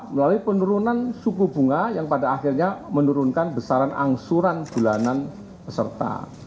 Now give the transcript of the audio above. melalui penurunan suku bunga yang pada akhirnya menurunkan besaran angsuran bulanan peserta